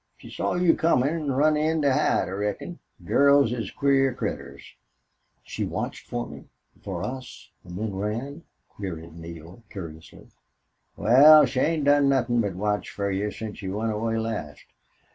She saw you comin' an' then run in to hide, I reckon. Girls is queer critters." "She watched for me for us and then ran?" queried Neale, curiously. "Wal, she ain't done nothin' but watch fer you since you went away last.